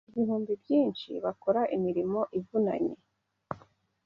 ibihumbi byinshi bakora imirimo ivunanye